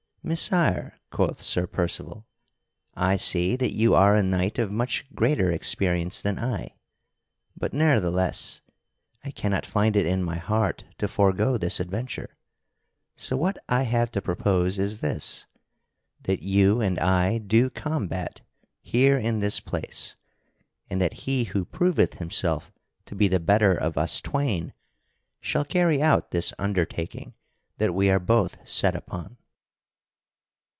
"Messire," quoth Sir Percival, "I see that you are a knight of much greater experience than I; but, ne'ertheless, I cannot find it in my heart to forego this adventure. So what I have to propose is this: that you and I do combat here in this place, and that he who proveth himself to be the better of us twain shall carry out this undertaking that we are both set upon."